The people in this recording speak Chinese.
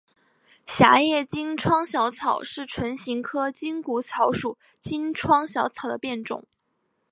狭叶金疮小草是唇形科筋骨草属金疮小草的变种。